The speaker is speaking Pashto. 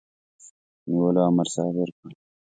نیولو امر صادر کړ.